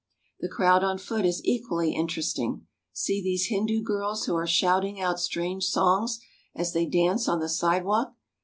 The crowd on foot is equally interesting. See these Hindu girls who are shouting out strange songs as they dance on the sidewalk